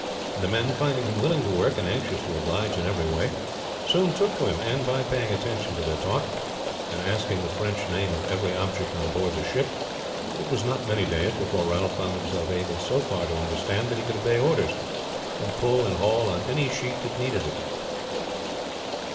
The men, finding him willing to work and anxious to oblige in every way, soon took to him; and by paying attention to their talk, and asking the French name of every object on board the ship, it was not many days before Ralph found himself able so far to understand that he could obey orders, and pull and haul on any sheet that needed handling.